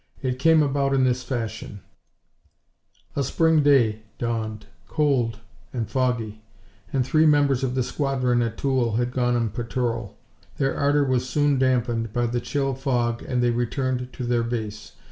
It came about in this fashion: A Spring day dawned, cold and foggy, and three members of the squadron at Toul had gone on patrol. Their ardor was soon dampened by the chill fog and they returned to their base.